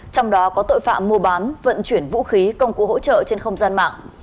trong đó có tội phạm mua bán vận chuyển vũ khí công cụ hỗ trợ trên không gian mạng